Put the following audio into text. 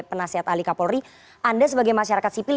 penasihat alika polri anda sebagai masyarakat sipil